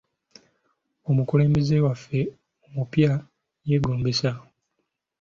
Omukulembeze waffe omupya yeegombesa.